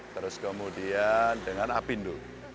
terus kemudian dengan apindo